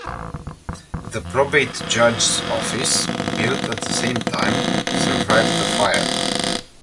The Probate Judge's office, built at the same time, survived the fire.